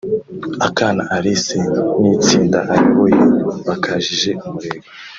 Akana Alice n’itsinda ayoboye bakajije umurego